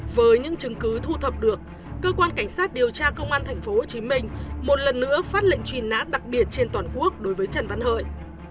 với những chứng cứ thu thập được cơ quan cảnh sát điều tra công an tp hcm một lần nữa phát lệnh truy nã đặc biệt trên toàn quốc đối với trần văn hợi